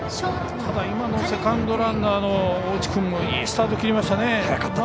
今のセカンドランナーの大内君もいいスタート切りましたね。